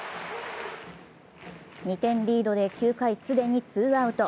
２点リードで９回、既にツーアウト。